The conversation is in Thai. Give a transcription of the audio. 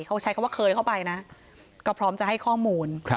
เขาใช้คำว่าเคยเข้าไปนะก็พร้อมจะให้ข้อมูล